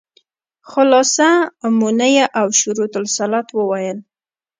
خلاصه مونيه او شروط الصلاة وويل.